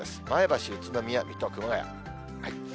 前橋、宇都宮、水戸、熊谷。